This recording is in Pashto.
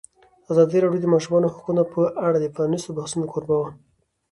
ازادي راډیو د د ماشومانو حقونه په اړه د پرانیستو بحثونو کوربه وه.